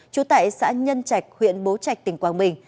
trú tại xã nhân trạch huyện bố trạch tỉnh quảng bình